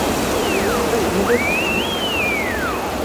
Xes mu gokaçun?